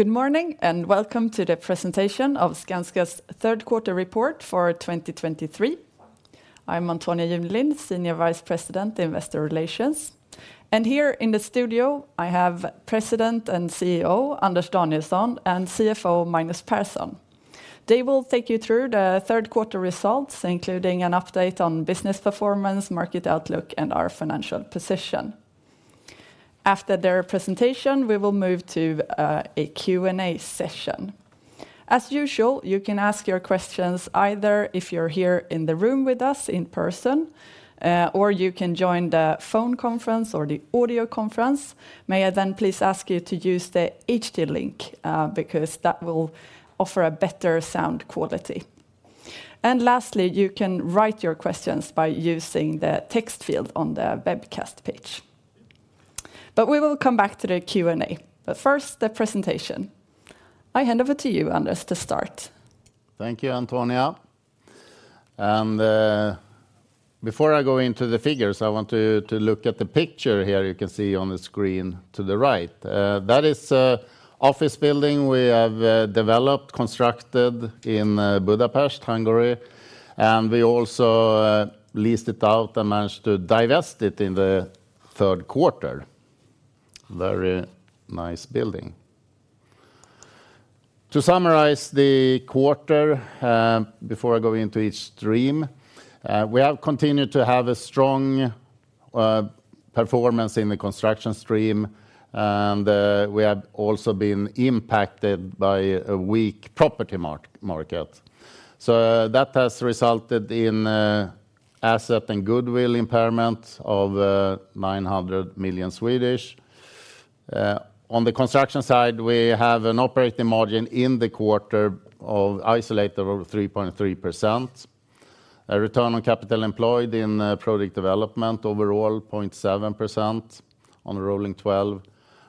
Good morning, and welcome to the Presentation of Skanska's Third Quarter Report For 2023. I'm Antonia Junelind, Senior Vice President, Investor Relations. Here in the studio, I have President and CEO, Anders Danielsson, and CFO, Magnus Persson. They will take you through the third quarter results, including an update on business performance, market outlook, and our financial position. After their presentation, we will move to a Q&A session. As usual, you can ask your questions either if you're here in the room with us in person, or you can join the phone conference or the audio conference. May I then please ask you to use the HD link, because that will offer a better sound quality. Lastly, you can write your questions by using the text field on the webcast page. We will come back to the Q&A. First, the presentation. I hand over to you, Anders, to start. Thank you, Antonia. Before I go into the figures, I want to look at the picture here you can see on the screen to the right. That is an office building we have developed, constructed in Budapest, Hungary, and we also leased it out and managed to divest it in the third quarter. Very nice building. To summarize the quarter, before I go into each stream, we have continued to have a strong performance in the construction stream, and we have also been impacted by a weak property market. That has resulted in asset and goodwill impairment of 900 million. On the construction side, we have an operating margin in the quarter of 3.3%. A return on capital employed in property development, overall 0.7% on rolling 12.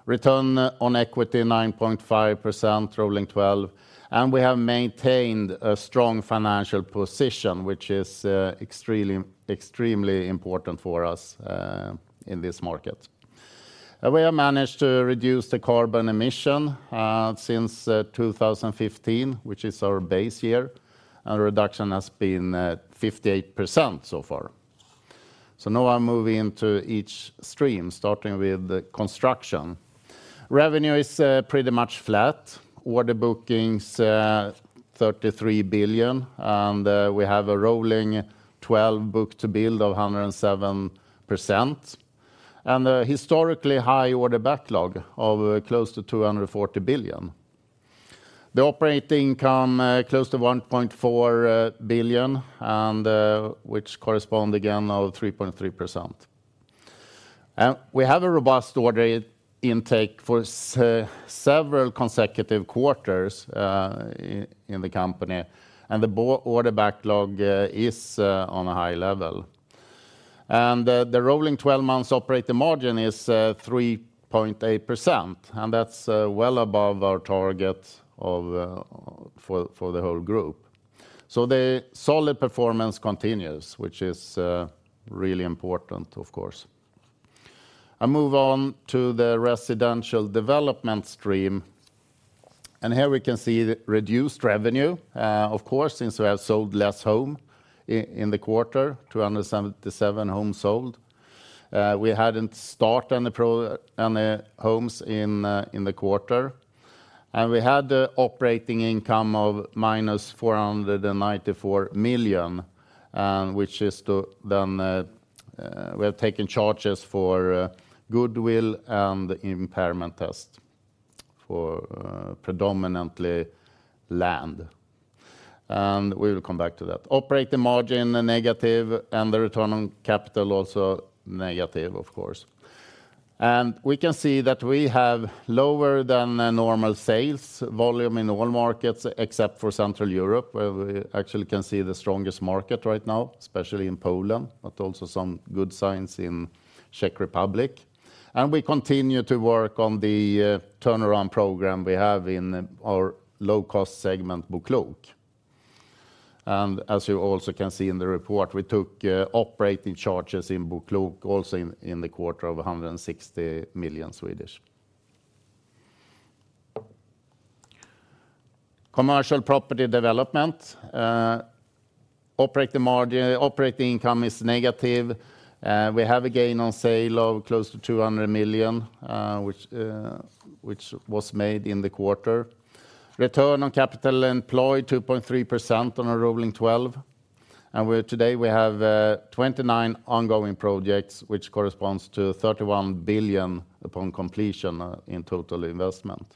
Return on equity, 9.5%, rolling 12. And we have maintained a strong financial position, which is extremely, extremely important for us in this market. And we have managed to reduce the carbon emission since 2015, which is our base year, and reduction has been 58% so far. So now I'll move into each stream, starting with the construction. Revenue is pretty much flat. Order bookings 33 billion, and we have a rolling 12 book-to-build of 107%, and a historically high order backlog of close to 240 billion. The operating income close to 1.4 billion, and which correspond again of 3.3%. We have a robust order intake for several consecutive quarters in the company, and the order backlog is on a high level. The rolling 12-months operating margin is 3.8%, and that's well above our target for the whole group. So the solid performance continues, which is really important, of course. I move on to the residential development stream, and here we can see the reduced revenue, of course, since we have sold less homes in the quarter, 277 homes sold. We hadn't start on the pro, on the homes in, in the quarter, and we had the operating income of -494 million, and which is then, we have taken charges for, goodwill and the impairment test for, predominantly land. And we will come back to that. Operating margin, negative, and the return on capital, also negative, of course. And we can see that we have lower than normal sales volume in all markets, except for Central Europe, where we actually can see the strongest market right now, especially in Poland, but also some good signs in Czech Republic. And we continue to work on the, turnaround program we have in our low-cost segment, BoKlok. As you also can see in the report, we took operating charges in BoKlok also in the quarter of 160 million. Commercial property development operating margin, operating income is negative. We have a gain on sale of close to 200 million, which was made in the quarter. Return on Capital Employed, 2.3% on a rolling 12-months. And today we have 29 ongoing projects, which corresponds to 31 billion upon completion in total investment.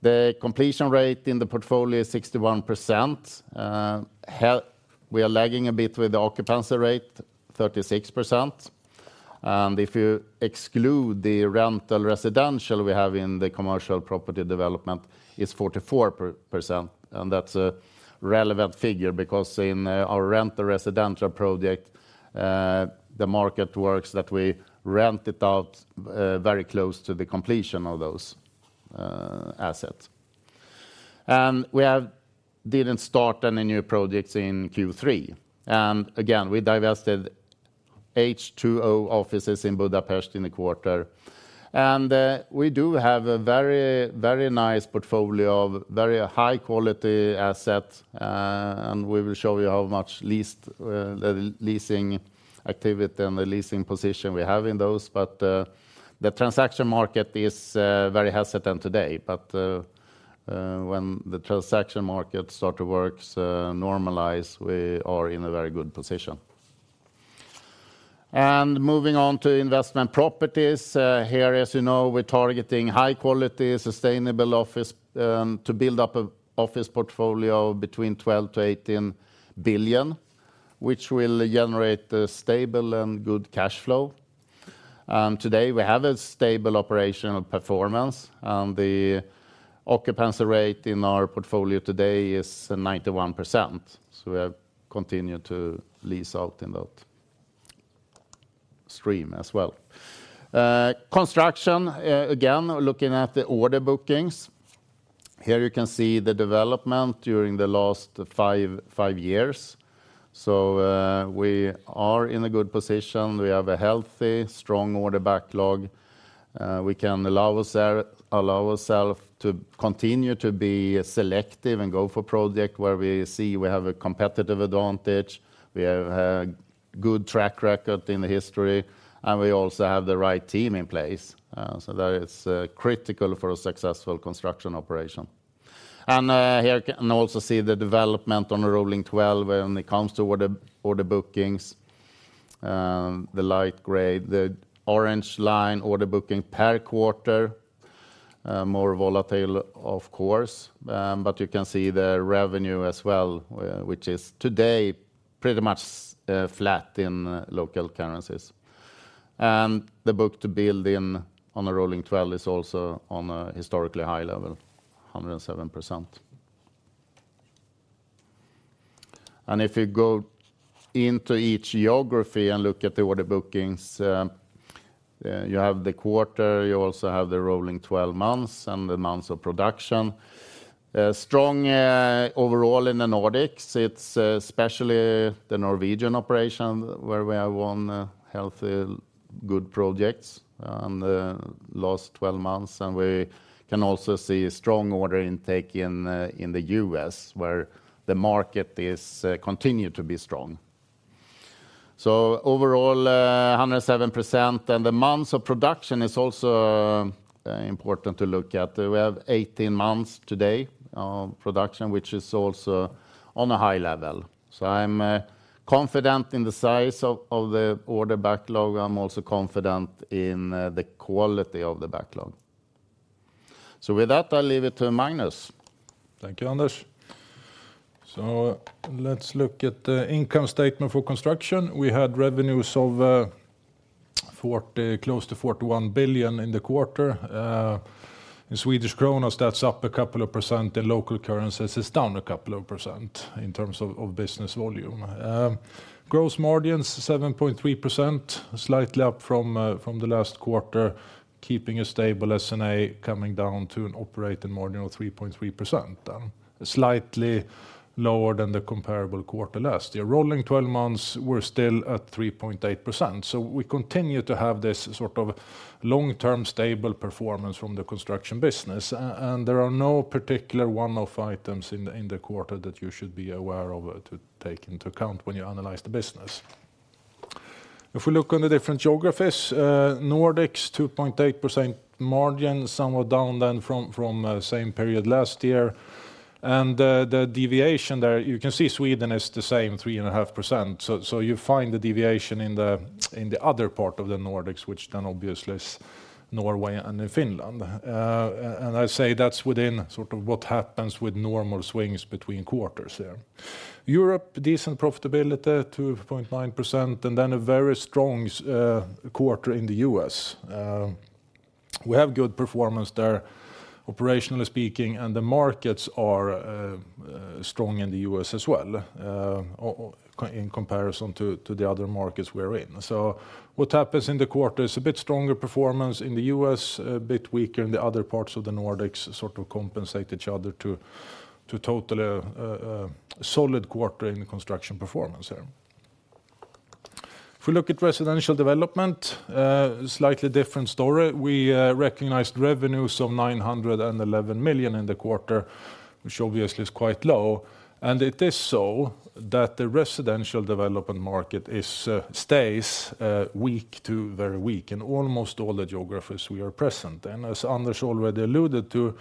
The completion rate in the portfolio is 61%. We are lagging a bit with the occupancy rate, 36%. And if you exclude the rental residential we have in the commercial property development, it's 44%, and that's a relevant figure because in our rental residential project, the market works that we rent it out very close to the completion of those assets. And we have didn't start any new projects in Q3. And again, we divested H2Offices in Budapest in the quarter. And we do have a very, very nice portfolio of very high-quality assets, and we will show you how much leased leasing activity and the leasing position we have in those. But the transaction market is very hesitant today. But when the transaction market start to works normalize, we are in a very good position. Moving on to investment properties, here, as you know, we're targeting high quality, sustainable office to build up an office portfolio between 12 billion-18 billion, which will generate a stable and good cash flow. Today, we have a stable operational performance, and the occupancy rate in our portfolio today is 91%. We have continued to lease out in that stream as well. Construction, again, looking at the order bookings, here you can see the development during the last five years. We are in a good position. We have a healthy, strong order backlog. We can allow ourselves to continue to be selective and go for projects where we see we have a competitive advantage, we have a good track record in the history, and we also have the right team in place. So that is critical for a successful construction operation. And here can also see the development on the rolling 12 when it comes to order, order bookings. The light gray, the orange line, order booking per quarter, more volatile, of course, but you can see the revenue as well, which is today pretty much flat in local currencies. And the book to build in on a rolling 12 is also on a historically high level, 107%. And if you go into each geography and look at the order bookings, you have the quarter, you also have the rolling 12-months and the months of production. Strong overall in the Nordics, It's especially the Norwegian operation, where we have won healthy good projects on the last 12 months, and we can also see a strong order intake in the U.S., where the market is continue to be strong. So overall, 107%, and the months of production is also important to look at. We have 18 months today production, which is also on a high level. So I'm confident in the size of the order backlog. I'm also confident in the quality of the backlog. So with that, I'll leave it to Magnus. Thank you, Anders. So let's look at the income statement for construction. We had revenues of 40 billion, close to 41 billion in the quarter. In Swedish krona, that's up a couple of percent. In local currencies, it's down a couple of percent in terms of business volume. Gross margins, 7.3%, slightly up from the last quarter, keeping a stable S&A, coming down to an operating margin of 3.3%, slightly lower than the comparable quarter last year. Rolling 12-months, we're still at 3.8%. So we continue to have this sort of long-term, stable performance from the construction business, and there are no particular one-off items in the quarter that you should be aware of to take into account when you analyze the business. If we look on the different geographies, Nordics, 2.8% margin, somewhat down than from, from, same period last year. And, the deviation there, you can see Sweden is the same, 3.5%. So, so you find the deviation in the, in the other part of the Nordics, which then obviously is Norway and Finland. And I say that's within sort of what happens with normal swings between quarters there. Europe, decent profitability, 2.9%, and then a very strong, quarter in the U.S. We have good performance there, operationally speaking, and the markets are, strong in the U.S. as well, in comparison to, to the other markets we're in. So what happens in the quarter is a bit stronger performance in the U.S., a bit weaker in the other parts of the Nordics, sort of compensate each other to total solid quarter in the construction performance here. If we look at residential development, slightly different story. We recognized revenues of 911 million in the quarter, which obviously is quite low. And it is so that the residential development market is stays weak to very weak in almost all the geographies we are present in. As Anders already alluded to,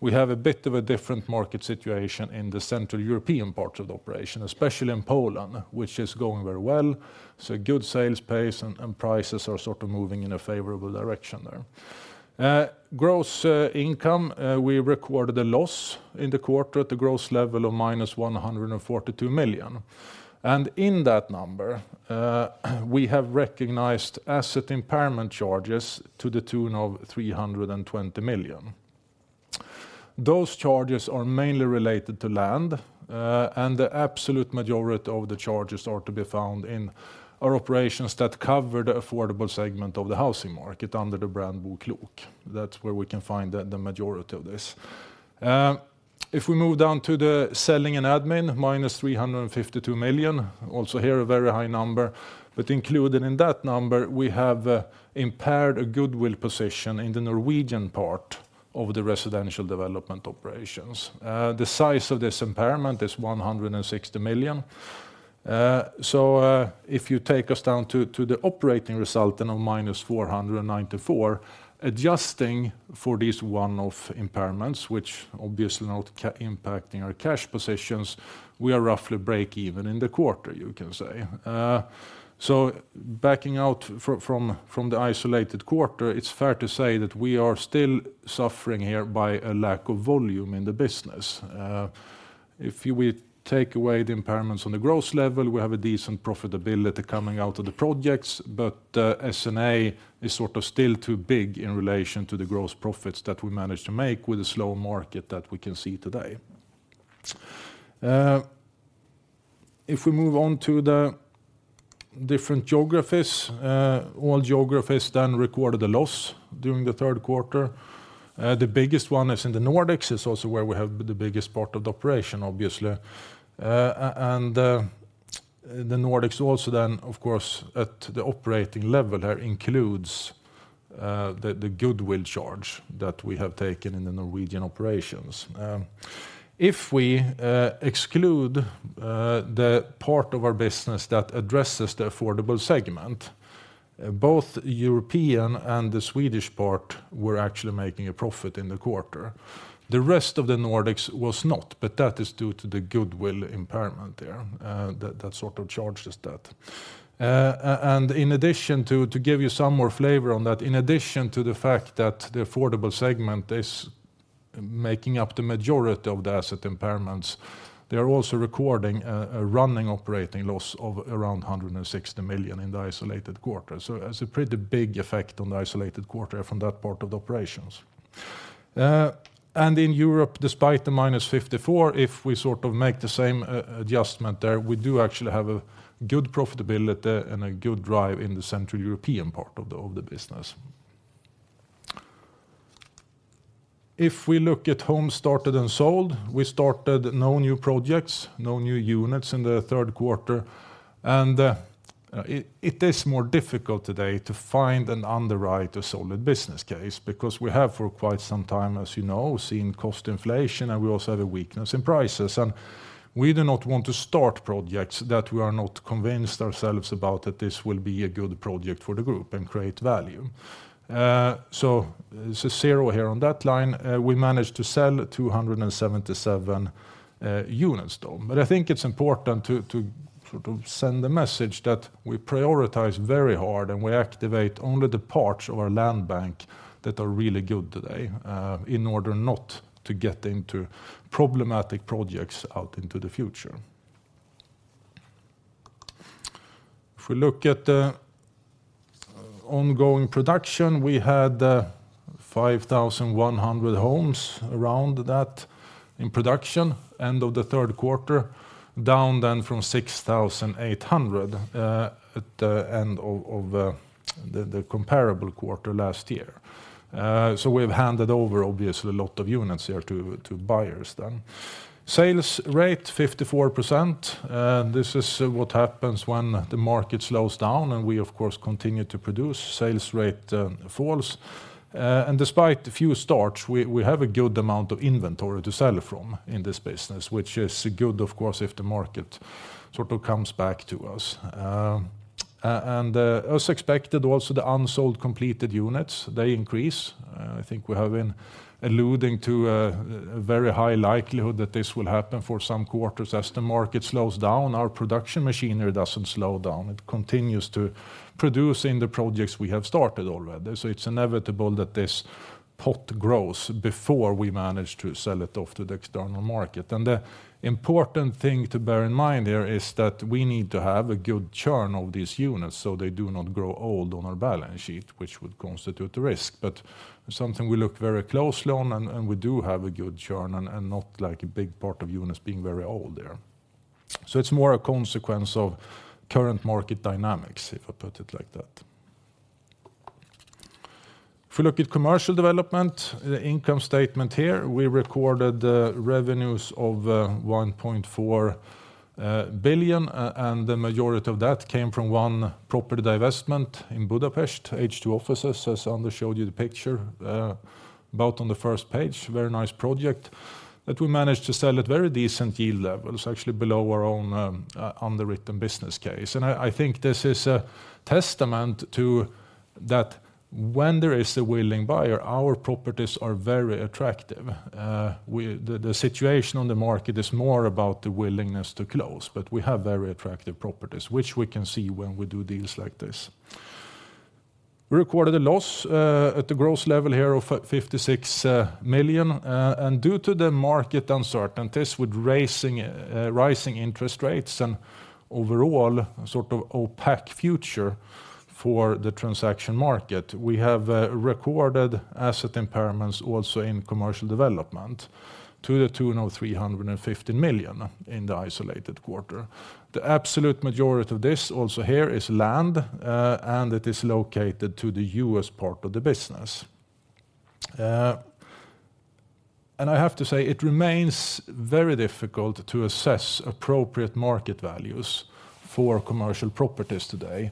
we have a bit of a different market situation in the Central European part of the operation, especially in Poland, which is going very well. So good sales pace and prices are sort of moving in a favorable direction there. Gross income, we recorded a loss in the quarter at the gross level of -142 million. And in that number, we have recognized asset impairment charges to the tune of 320 million. Those charges are mainly related to land, and the absolute majority of the charges are to be found in our operations that cover the affordable segment of the housing market under the brand BoKlok. That's where we can find the, the majority of this. If we move down to the selling and admin, -352 million. Also here, a very high number, but included in that number, we have impaired a goodwill position in the Norwegian part of the residential development operations. The size of this impairment is 160 million. So, if you take us down to the operating result, then on -494, adjusting for these one-off impairments, which obviously not impacting our cash positions, we are roughly break even in the quarter, you can say. So backing out from the isolated quarter, it's fair to say that we are still suffering here by a lack of volume in the business. If we take away the impairments on the growth level, we have a decent profitability coming out of the projects, but S&A is sort of still too big in relation to the gross profits that we managed to make with the slow market that we can see today. If we move on to the different geographies, all geographies then recorded a loss during the third quarter. The biggest one is in the Nordics. It's also where we have the biggest part of the operation, obviously. And the Nordics also then, of course, at the operating level, includes the goodwill charge that we have taken in the Norwegian operations. If we exclude the part of our business that addresses the affordable segment, both European and the Swedish part were actually making a profit in the quarter. The rest of the Nordics was not, but that is due to the goodwill impairment there, that sort of charges that. And in addition to give you some more flavor on that, in addition to the fact that the affordable segment is making up the majority of the asset impairments, they are also recording a running operating loss of around 160 million in the isolated quarter. So it has a pretty big effect on the isolated quarter from that part of the operations. And in Europe, despite the -54, if we sort of make the same adjustment there, we do actually have a good profitability and a good drive in the Central European part of the business. If we look at homes started and sold, we started no new projects, no new units in the third quarter. And it is more difficult today to find and underwrite a solid business case because we have for quite some time, as you know, seen cost inflation, and we also have a weakness in prices. And we do not want to start projects that we are not convinced ourselves about, that this will be a good project for the group and create value. So it's a zero here on that line. We managed to sell 277 units, though. But I think it's important to sort of send the message that we prioritize very hard, and we activate only the parts of our land bank that are really good today in order not to get into problematic projects out into the future. If we look at the ongoing production, we had 5,100 homes, around that, in production, end of the third quarter, down then from 6,800 at the end of the comparable quarter last year. So we've handed over, obviously, a lot of units here to buyers then. Sales rate, 54%, this is what happens when the market slows down, and we, of course, continue to produce. Sales rate falls. And despite the few starts, we have a good amount of inventory to sell from in this business, which is good, of course, if the market sort of comes back to us. As expected, also, the unsold completed units, they increase. I think we have been alluding to a very high likelihood that this will happen for some quarters. As the market slows down, our production machinery doesn't slow down. It continues to produce in the projects we have started already. So it's inevitable that this pot grows before we manage to sell it off to the external market. And the important thing to bear in mind here is that we need to have a good churn of these units, so they do not grow old on our balance sheet, which would constitute a risk. But something we look very closely on, and we do have a good churn and not like a big part of units being very old there. So it's more a consequence of current market dynamics, if I put it like that. If you look at commercial development, the income statement here, we recorded revenues of 1.4 billion, and the majority of that came from one property divestment in Budapest, H2Offices, as Anders showed you the picture about on the first page. Very nice project that we managed to sell at very decent yield levels, actually below our own underwritten business case. And I think this is a testament to, that when there is a willing buyer, our properties are very attractive. The situation on the market is more about the willingness to close, but we have very attractive properties, which we can see when we do deals like this. We recorded a loss at the gross level here of 56 million. And due to the market uncertainties with rising interest rates and overall sort of opaque future for the transaction market, we have recorded asset impairments also in commercial development to the tune of 350 million in the isolated quarter. The absolute majority of this, also here, is land, and it is located to the U.S. part of the business. And I have to say, it remains very difficult to assess appropriate market values for commercial properties today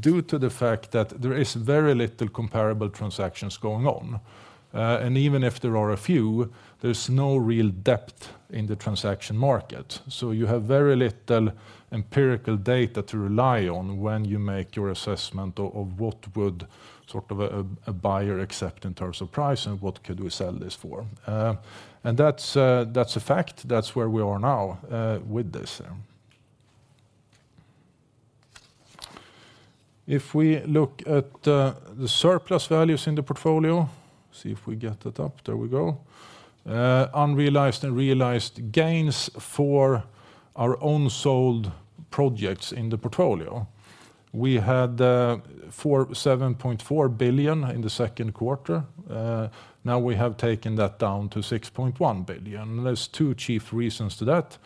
due to the fact that there is very little comparable transactions going on. Even if there are a few, there's no real depth in the transaction market. So you have very little empirical data to rely on when you make your assessment of what would sort of a buyer accept in terms of price and what could we sell this for? And that's a fact. That's where we are now with this. If we look at the surplus values in the portfolio, see if we get that up. There we go. Unrealized and realized gains for our own sold projects in the portfolio. We had 7.4 billion in the second quarter. Now we have taken that down to 6.1 billion. There's two chief reasons to that.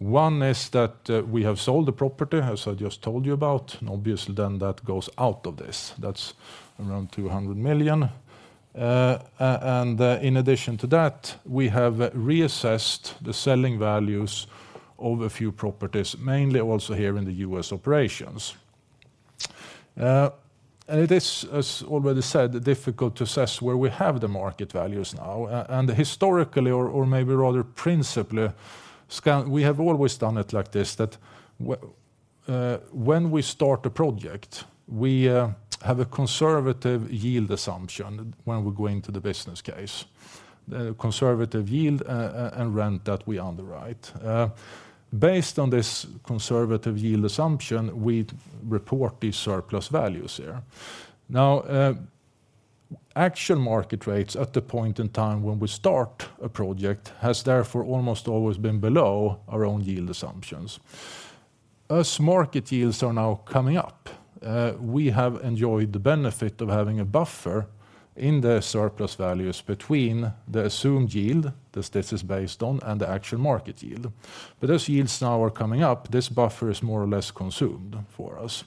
One is that we have sold the property, as I just told you about, and obviously then that goes out of this. That's around 200 million. And in addition to that, we have reassessed the selling values of a few properties, mainly also here in the U.S. operations. And it is, as already said, difficult to assess where we have the market values now. And historically, or maybe rather principally, Skanska, we have always done it like this, that when we start a project, we have a conservative yield assumption when we're going to the business case, the conservative yield, and rent that we underwrite. Based on this conservative yield assumption, we'd report these surplus values here. Now, actual market rates at the point in time when we start a project, has therefore almost always been below our own yield assumptions. As market yields are now coming up, we have enjoyed the benefit of having a buffer in the surplus values between the assumed yield, that this is based on, and the actual market yield. But as yields now are coming up, this buffer is more or less consumed for us.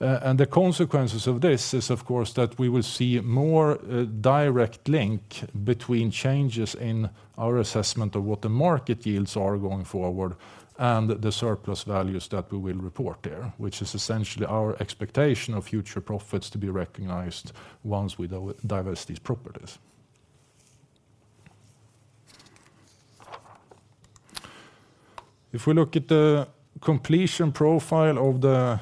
And the consequences of this is, of course, that we will see more direct link between changes in our assessment of what the market yields are going forward and the surplus values that we will report there, which is essentially our expectation of future profits to be recognized once we divest these properties. If we look at the completion profile of the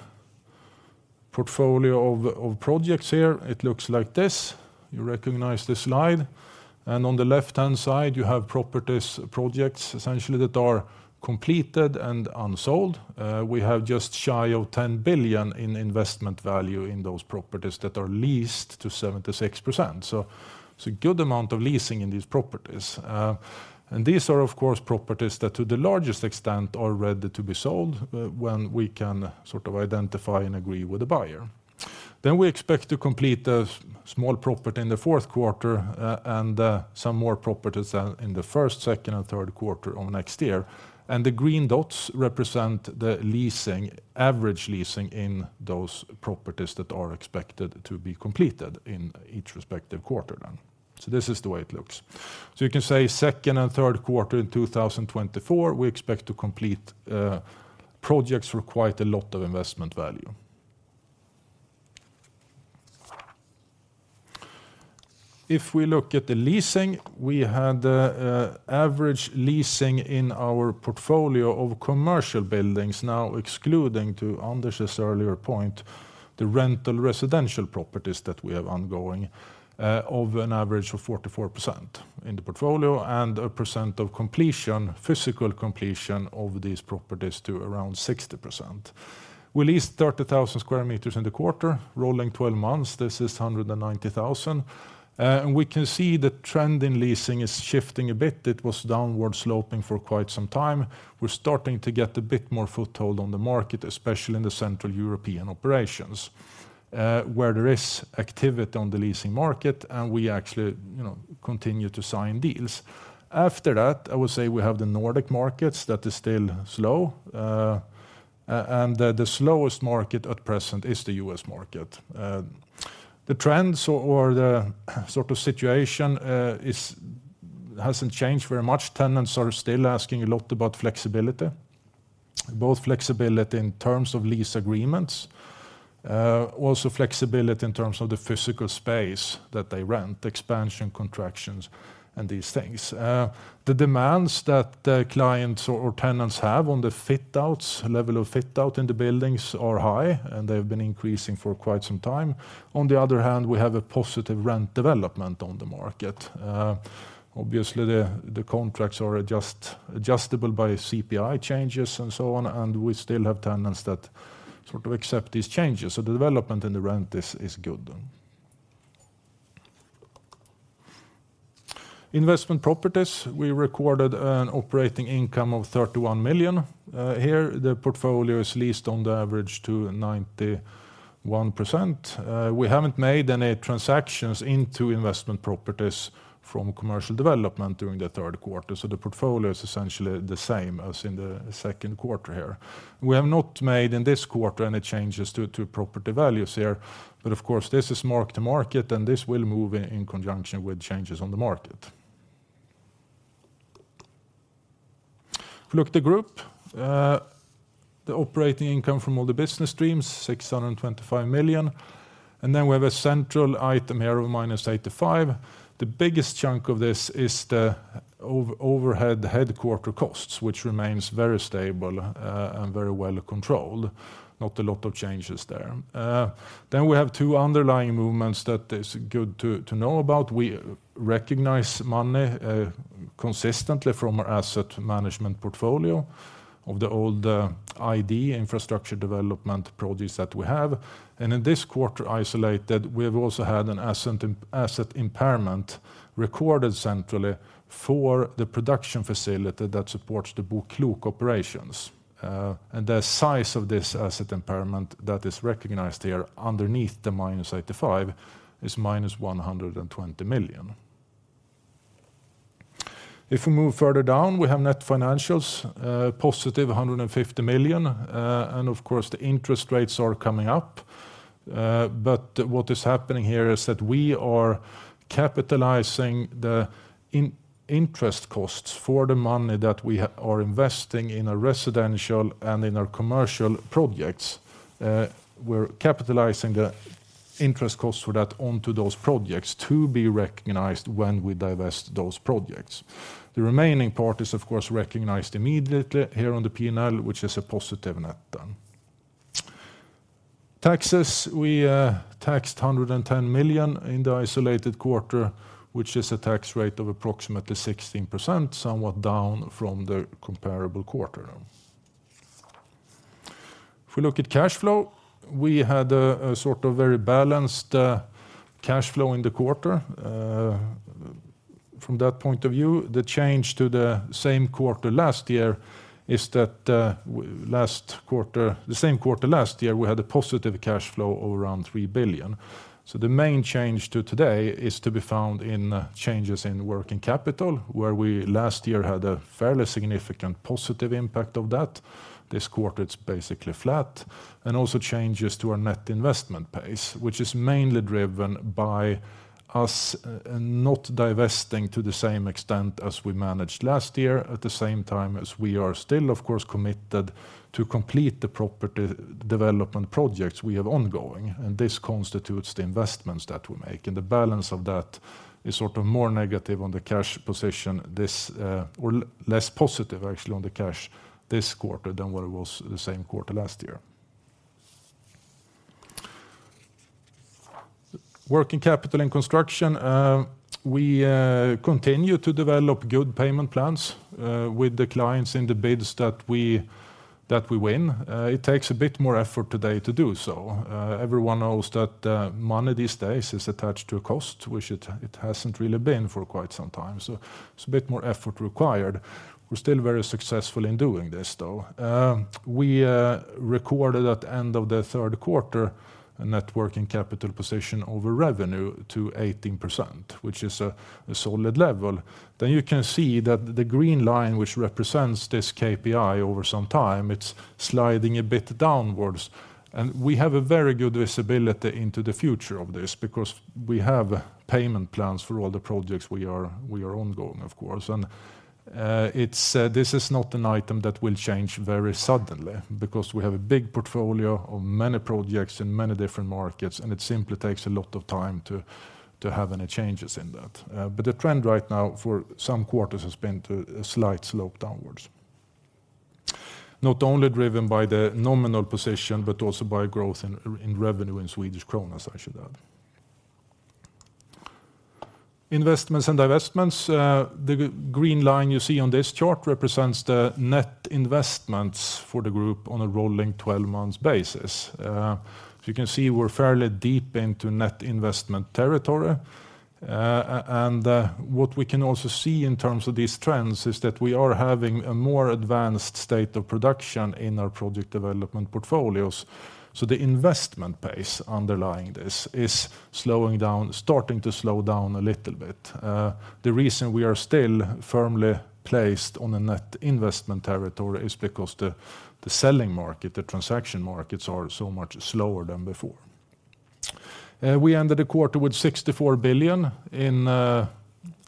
portfolio of projects here, it looks like this. You recognize this slide. On the left-hand side, you have properties, projects, essentially that are completed and unsold. We have just shy of 10 billion in investment value in those properties that are leased to 76%. It's a good amount of leasing in these properties. These are, of course, properties that, to the largest extent, are ready to be sold, when we can sort of identify and agree with the buyer. We expect to complete a small property in the fourth quarter, and some more properties in the first, second, and third quarter of next year. The green dots represent the leasing, average leasing in those properties that are expected to be completed in each respective quarter then. This is the way it looks. So you can say second and third quarter in 2024, we expect to complete projects for quite a lot of investment value. If we look at the leasing, we had average leasing in our portfolio of commercial buildings, now excluding, to Anders' earlier point, the rental residential properties that we have ongoing, of an average of 44% in the portfolio, and a percent of completion, physical completion of these properties to around 60%. We leased 30,000 sq m in the quarter, rolling 12-months. This is 190,000. And we can see the trend in leasing is shifting a bit. It was downward sloping for quite some time. We're starting to get a bit more foothold on the market, especially in the Central European operations, where there is activity on the leasing market, and we actually, you know, continue to sign deals. After that, I would say we have the Nordic markets that is still slow. And the slowest market at present is the U.S. market. The trends or the sort of situation hasn't changed very much. Tenants are still asking a lot about flexibility, both flexibility in terms of lease agreements, also flexibility in terms of the physical space that they rent, expansion, contractions, and these things. The demands that the clients or tenants have on the fit outs, level of fit out in the buildings are high, and they've been increasing for quite some time. On the other hand, we have a positive rent development on the market. Obviously, the contracts are adjustable by CPI changes and so on, and we still have tenants that sort of accept these changes. So the development in the rent is good. Investment properties, we recorded an operating income of 31 million. Here, the portfolio is leased on the average to 91%. We haven't made any transactions into investment properties from commercial development during the third quarter, so the portfolio is essentially the same as in the second quarter here. We have not made in this quarter any changes to property values here, but of course, this is mark to market, and this will move in conjunction with changes on the market. If we look at the group, the operating income from all the business streams, 625 million, and then we have a central item here of -85 million. The biggest chunk of this is the overhead headquarter costs, which remains very stable, and very well controlled. Not a lot of changes there. Then we have two underlying movements that is good to know about. We recognize money consistently from our asset management portfolio of the old, ID, infrastructure development projects that we have. And in this quarter, isolated, we have also had an asset impairment recorded centrally for the production facility that supports the BoKlok operations. And the size of this asset impairment that is recognized here underneath the -85 million, is -120 million. If we move further down, we have net financials, positive 150 million, and of course, the interest rates are coming up. But what is happening here is that we are capitalizing the interest costs for the money that we are investing in our residential and in our commercial projects. We're capitalizing the interest costs for that onto those projects to be recognized when we divest those projects. The remaining part is, of course, recognized immediately here on the P&L, which is a positive net then. Taxes, we taxed 110 million in the isolated quarter, which is a tax rate of approximately 16%, somewhat down from the comparable quarter. If we look at cash flow, we had a sort of very balanced cash flow in the quarter. From that point of view, the change to the same quarter last year is that, the same quarter last year, we had a positive cash flow of around 3 billion. So the main change to today is to be found in, changes in working capital, where we last year had a fairly significant positive impact of that. This quarter, it's basically flat, and also changes to our net investment pace, which is mainly driven by us, not divesting to the same extent as we managed last year, at the same time as we are still, of course, committed to complete the property development projects we have ongoing, and this constitutes the investments that we make. The balance of that is sort of more negative on the cash position, or less positive, actually, on the cash this quarter than what it was the same quarter last year. Working capital and construction, we continue to develop good payment plans with the clients in the bids that we win. It takes a bit more effort today to do so. Everyone knows that money these days is attached to a cost, which it hasn't really been for quite some time, so it's a bit more effort required. We're still very successful in doing this, though. We recorded at the end of the third quarter a net working capital position over revenue to 18%, which is a solid level. Then you can see that the green line, which represents this KPI over some time, it's sliding a bit downwards. And we have a very good visibility into the future of this because we have payment plans for all the projects we are ongoing, of course. And this is not an item that will change very suddenly because we have a big portfolio of many projects in many different markets, and it simply takes a lot of time to have any changes in that. But the trend right now for some quarters has been to a slight slope downwards. Not only driven by the nominal position, but also by growth in revenue in Swedish kronas, I should add. Investments and divestments, the green line you see on this chart represents the net investments for the group on a rolling 12-months basis. You can see we're fairly deep into net investment territory. And what we can also see in terms of these trends is that we are having a more advanced state of production in our project development portfolios. So the investment pace underlying this is slowing down, starting to slow down a little bit. The reason we are still firmly placed on a net investment territory is because the, the selling market, the transaction markets, are so much slower than before. We ended the quarter with 64 billion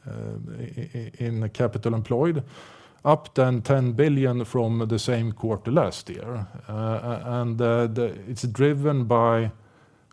in capital employed, up than 10 billion from the same quarter last year. And it's driven by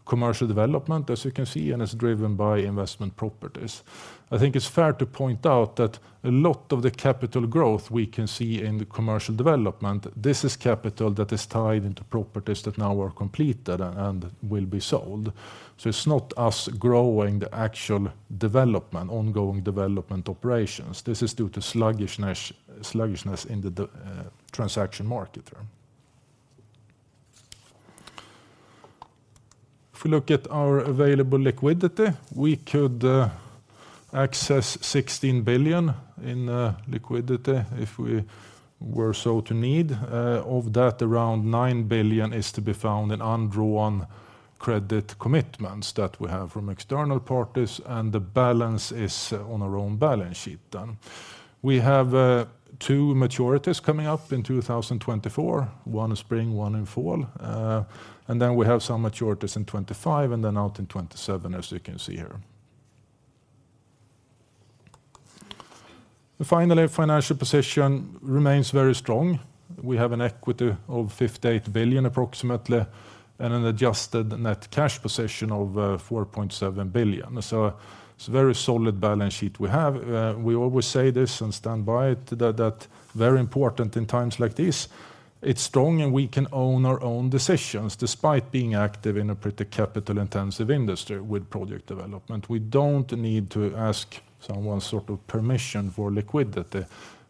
commercial development, as you can see, and it's driven by investment properties. I think it's fair to point out that a lot of the capital growth we can see in the commercial development, this is capital that is tied into properties that now are completed and will be sold. So it's not us growing the actual development, ongoing development operations. This is due to sluggishness in the transaction market, right? If we look at our available liquidity, we could access 16 billion in liquidity if we were so to need. Of that, around 9 billion is to be found in undrawn credit commitments that we have from external parties, and the balance is on our own balance sheet then. We have two maturities coming up in 2024, one in spring, one in fall, and then we have some maturities in 2025, and then out in 2027, as you can see here. Finally, financial position remains very strong. We have an equity of 58 billion approximately, and an adjusted net cash position of 4.7 billion. So it's a very solid balance sheet we have. We always say this and stand by it, that very important in times like this, it's strong, and we can own our own decisions despite being active in a pretty capital-intensive industry with project development. We don't need to ask someone sort of permission for liquidity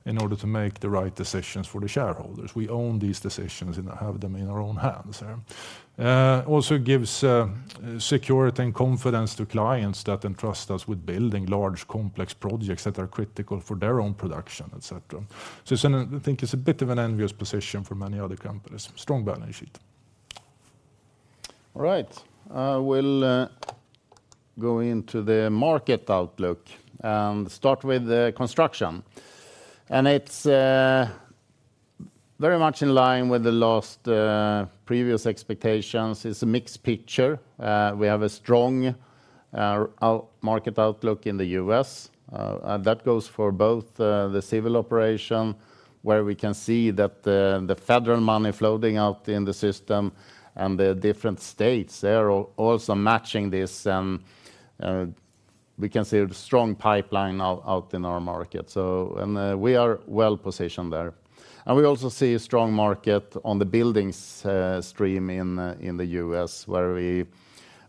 in order to make the right decisions for the shareholders. We own these decisions and have them in our own hands. Also gives security and confidence to clients that entrust us with building large, complex projects that are critical for their own production, et cetera. So it's an, I think it's a bit of an envious position for many other companies. Strong balance sheet. All right. We'll go into the market outlook, start with the construction. And it's very much in line with the last previous expectations. It's a mixed picture. We have a strong market outlook in the U.S. And that goes for both the civil operation, where we can see that the federal money flowing out in the system and the different states, they're also matching this, we can say, a strong pipeline out in our market. So. And we are well positioned there. And we also see a strong market on the buildings stream in the U.S., where we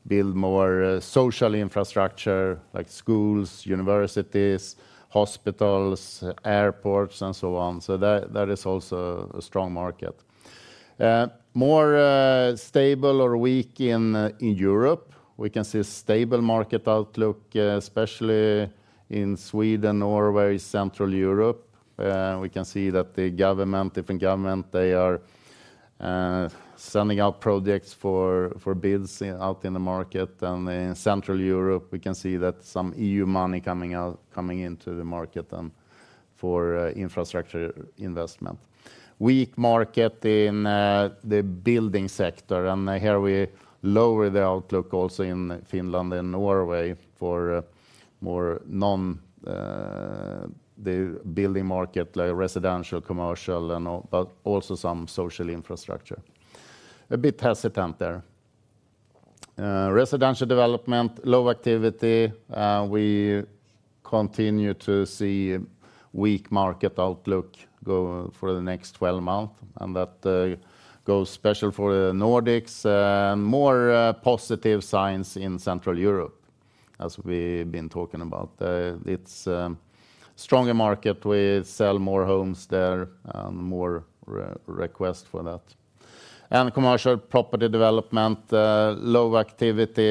build more social infrastructure like schools, universities, hospitals, airports, and so on. So that is also a strong market. More stable or weak in Europe. We can see a stable market outlook, especially in Sweden or very Central Europe. We can see that the government, different government, they are, sending out projects for, for bids out in the market. And in Central Europe, we can see that some EU money coming out, coming into the market, for, infrastructure investment. Weak market in, the building sector, and here we lower the outlook also in Finland and Norway for, more non, the building market, like residential, commercial, and all, but also some social infrastructure. A bit hesitant there. Residential development, low activity. We continue to see weak market outlook go for the next 12 months, and that, goes special for the Nordics. More, positive signs in Central Europe, as we've been talking about. It's, stronger market. We sell more homes there, and more request for that. Commercial property development, low activity.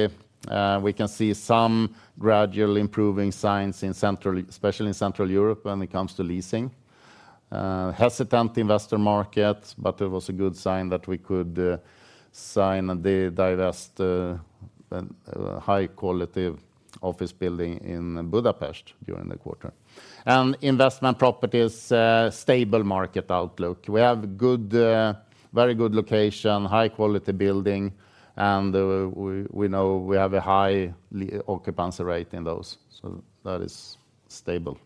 We can see some gradual improving signs in Central, especially in Central Europe, when it comes to leasing. Hesitant investor market, but it was a good sign that we could sign and divest high-quality office building in Budapest during the quarter. Investment properties, stable market outlook. We have good, very good location, high-quality building, and we know we have a high occupancy rate in those, so that is stable.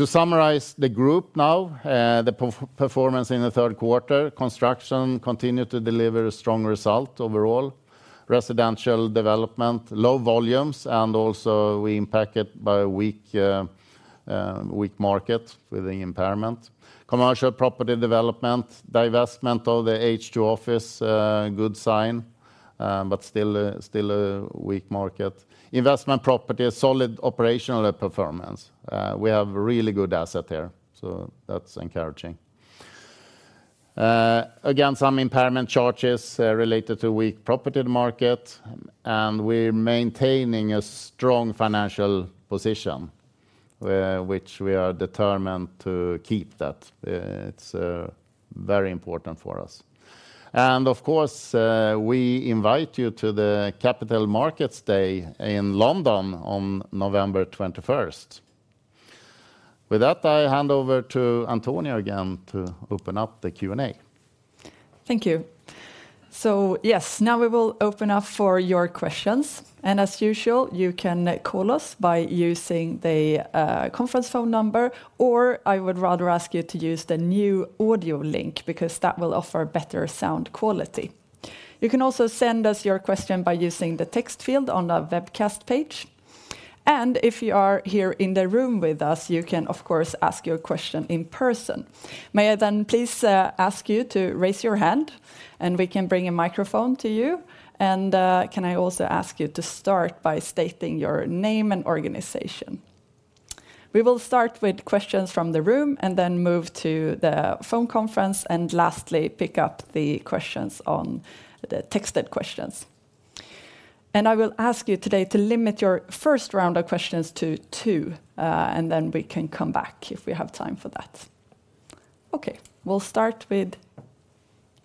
To summarize the group now, the performance in the third quarter, construction continued to deliver a strong result overall. Residential development, low volumes, and also we impacted by a weak market with the impairment. Commercial property development, divestment of the H2Offices, good sign, but still a weak market. Investment property, a solid operational performance. We have a really good asset there, so that's encouraging. Again, some impairment charges related to weak property market, and we're maintaining a strong financial position, which we are determined to keep that. It's very important for us. And of course, we invite you to the Capital Markets Day in London on November 21st. With that, I hand over to Antonia again to open up the Q&A. Thank you. So yes, now we will open up for your questions. And as usual, you can call us by using the conference phone number, or I would rather ask you to use the new audio link, because that will offer better sound quality. You can also send us your question by using the text field on the webcast page. And if you are here in the room with us, you can, of course, ask your question in person. May I then please ask you to raise your hand, and we can bring a microphone to you? And can I also ask you to start by stating your name and organization? We will start with questions from the room and then move to the phone conference, and lastly, pick up the questions on the texted questions. I will ask you today to limit your first round of questions to two, and then we can come back if we have time for that. Okay, we'll start with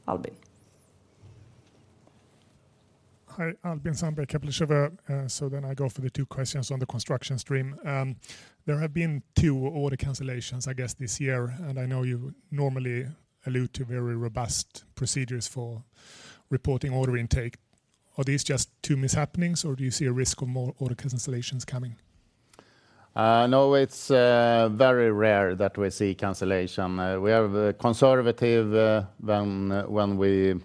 Albin. Hi, Albin Sandberg, Kepler Cheuvreux. So then I go for the two questions on the construction stream. There have been two order cancellations, I guess, this year, and I know you normally allude to very robust procedures for reporting order intake. Are these just two mis-happenings, or do you see a risk of more order cancellations coming? No, it's very rare that we see cancellation. We are conservative when we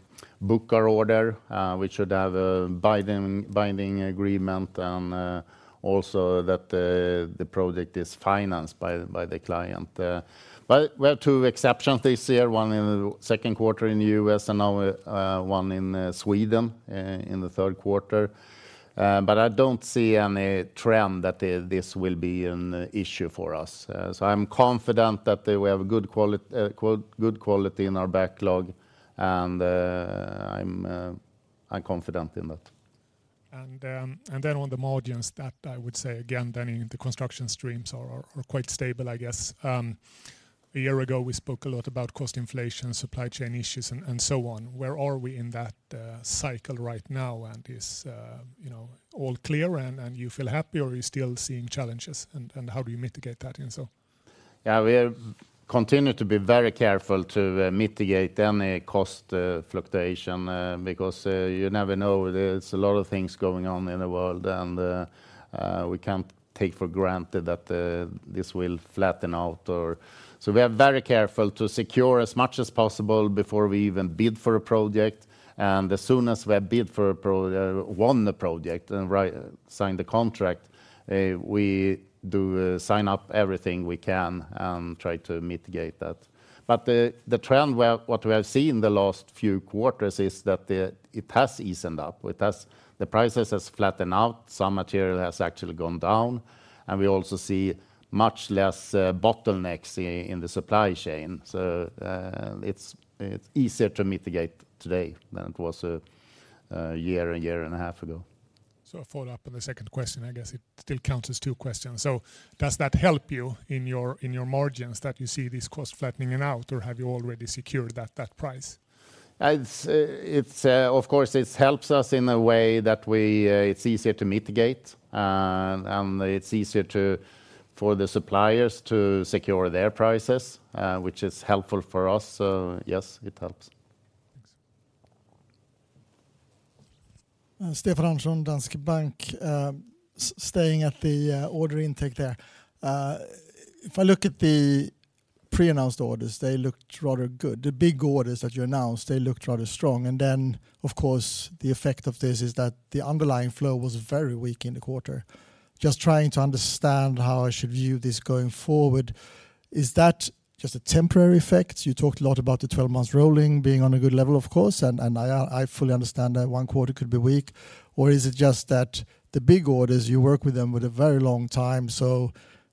book our order. We should have a binding agreement, and also that the project is financed by the client. But we have two exceptions this year, one in the second quarter in the U.S., and now one in Sweden in the third quarter. But I don't see any trend that this will be an issue for us. So I'm confident that we have a good quality in our backlog, and I'm confident in that. And then on the margins that I would say, again, then in the construction streams are quite stable, I guess. A year ago, we spoke a lot about cost inflation, supply chain issues, and so on. Where are we in that cycle right now? And is, you know, all clear, and you feel happy, or are you still seeing challenges, and how do you mitigate that, and so on? Yeah, we continue to be very careful to mitigate any cost fluctuation because you never know. There's a lot of things going on in the world, and we can't take for granted that this will flatten out or. So we are very careful to secure as much as possible before we even bid for a project, and as soon as we won the project and signed the contract, we do sign up everything we can and try to mitigate that. But the trend what we have seen in the last few quarters is that it has eased up. It has. The prices has flattened out, some material has actually gone down, and we also see much less bottlenecks in the supply chain. So, it's easier to mitigate today than it was a year and a half ago. A follow-up on the second question, I guess it still counts as two questions. Does that help you in your, in your margins, that you see this cost flattening out, or have you already secured that, that price? Of course, it helps us in a way that it's easier to mitigate, and it's easier for the suppliers to secure their prices, which is helpful for us. So yes, it helps. Thanks. Stefan Andersson, Danske Bank. Staying at the order intake there, if I look at the pre-announced orders, they looked rather good. The big orders that you announced, they looked rather strong. And then, of course, the effect of this is that the underlying flow was very weak in the quarter. Just trying to understand how I should view this going forward. Is that just a temporary effect? You talked a lot about the 12 months rolling, being on a good level, of course, and I fully understand that one quarter could be weak. Or is it just that the big orders, you work with them with a very long time, so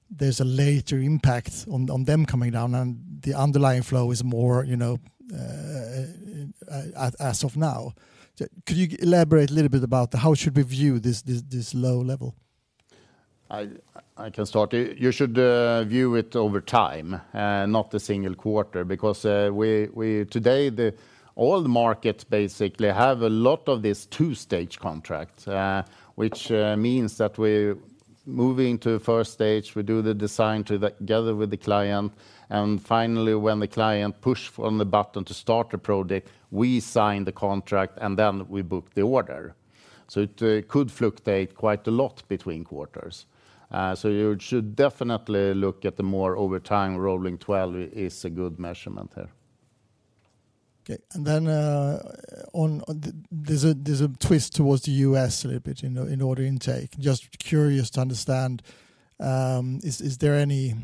there's a later impact on them coming down, and the underlying flow is more, you know, as of now? Could you elaborate a little bit about how should we view this low level? I can start. You should view it over time, not the single quarter, because we today, all the markets basically have a lot of these two-stage contracts, which means that we're moving to the first stage, we do the design together with the client, and finally, when the client push on the button to start a project, we sign the contract, and then we book the order. So it could fluctuate quite a lot between quarters. So you should definitely look at the more over time, rolling 12 is a good measurement here. Okay. And then, on... There's a twist towards the U.S. a little bit in order intake. Just curious to understand, is there any...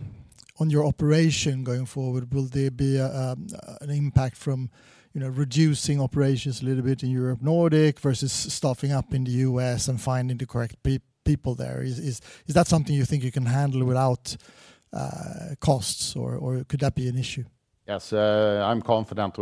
On your operation going forward, will there be a, an impact from, you know, reducing operations a little bit in Europe, Nordics, versus stuffing up in the U.S. and finding the correct people there? Is that something you think you can handle without costs, or could that be an issue? Yes, I'm confident.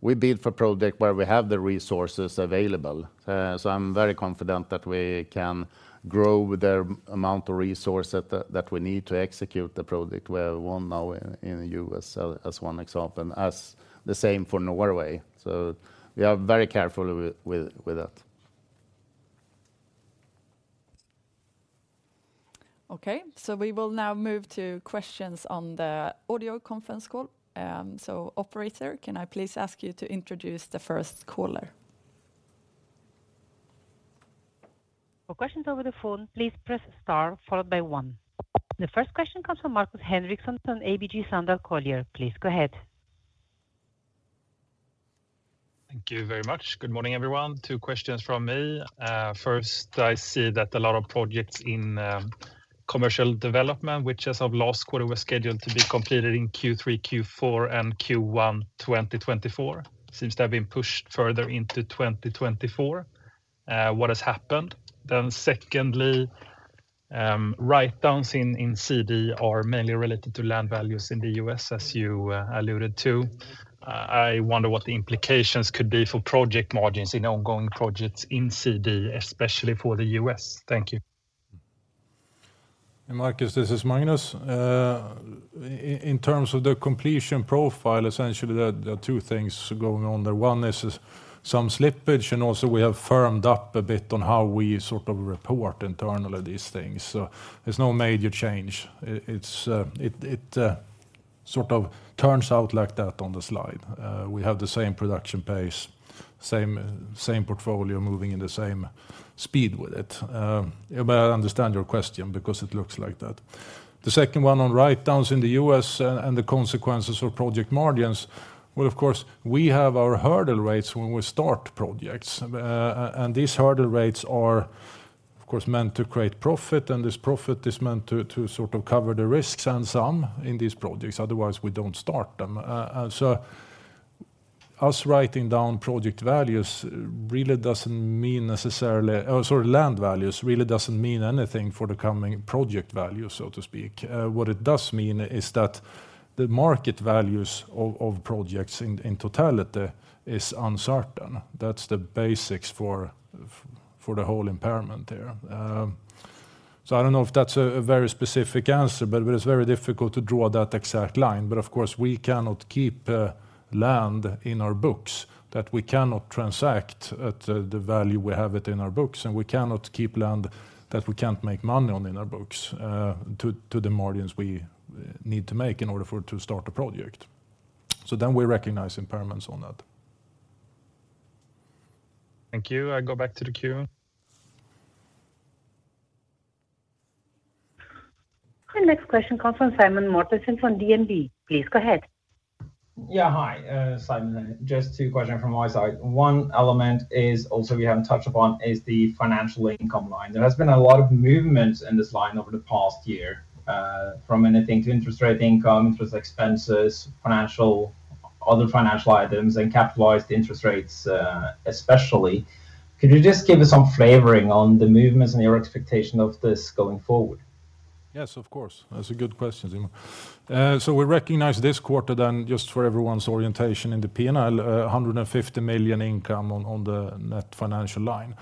We bid for project where we have the resources available. So I'm very confident that we can grow the amount of resource that we need to execute the project. We have one now in the U.S., as one example, as the same for Norway. So we are very careful with that. Okay, so we will now move to questions on the audio conference call. Operator, can I please ask you to introduce the first caller? For questions over the phone, please press star followed by one. The first question comes from Markus Henriksson from ABG Sundal Collier. Please go ahead. Thank you very much. Good morning, everyone. Two questions from me. First, I see that a lot of projects in commercial development, which as of last quarter, were scheduled to be completed in Q3, Q4, and Q1, 2024, seems to have been pushed further into 2024. What has happened? Then secondly, write-downs in CD are mainly related to land values in the U.S., as you alluded to. I wonder what the implications could be for project margins in ongoing projects in CD, especially for the U.S. Thank you. Hey, Markus, this is Magnus. In terms of the completion profile, essentially, there are two things going on there. One is some slippage, and also, we have firmed up a bit on how we sort of report internally these things. So there's no major change. It's sort of turns out like that on the slide. We have the same production pace, same, same portfolio moving in the same speed with it. But I understand your question because it looks like that. The second one on write-downs in the U.S. and the consequences of project margins, well, of course, we have our hurdle rates when we start projects. And these hurdle rates are, of course, meant to create profit, and this profit is meant to sort of cover the risks and some in these projects, otherwise, we don't start them. And so us writing down project values really doesn't mean necessarily-- Sorry, land values, really doesn't mean anything for the coming project value, so to speak. What it does mean is that the market values of projects in totality is uncertain. That's the basics for the whole impairment there. So I don't know if that's a very specific answer, but it's very difficult to draw that exact line. But of course, we cannot keep land in our books that we cannot transact at the value we have it in our books, and we cannot keep land that we can't make money on in our books to the margins we need to make in order for it to start a project. So then we recognize impairments on that. Thank you. I go back to the queue. The next question comes from Simen Mortensen from DNB. Please go ahead. Yeah, hi, Simen here. Just two question from my side. One element is also we haven't touched upon is the financial income line. There has been a lot of movements in this line over the past year, from anything to interest rate income, interest expenses, financial other financial items, and capitalized interest rates, especially. Could you just give us some flavoring on the movements and your expectation of this going forward? Yes, of course. That's a good question, Simen. So we recognize this quarter then, just for everyone's orientation in the P&L, 150 million income on the net financial line.